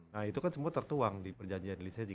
nah itu kan semua tertuang di perjanjian lisegi